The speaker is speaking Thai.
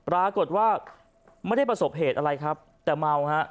ปรากฏว่าไม่ได้ประสบเหตุอะไรครับแต่เมาฮะ